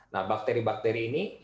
nah bakteri bakteri itu ada